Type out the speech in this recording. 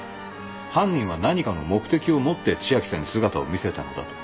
犯人は何かの目的を持って千晶さんに姿を見せたのだと。